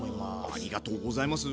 ありがとうございます。